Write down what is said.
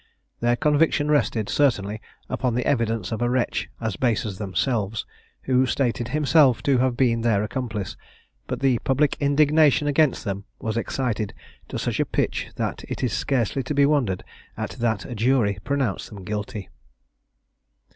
Their conviction rested, certainly, upon the evidence of a wretch as base as themselves, who stated himself to have been their accomplice; but the public indignation against them was excited to such a pitch, that it is scarcely to be wondered at that a jury pronounced them guilty.